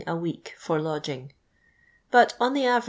a week for lodging. But, on the iiTeng?